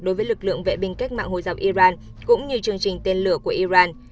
đối với lực lượng vệ binh cách mạng hồi rầm iran cũng như chương trình tên lửa của iran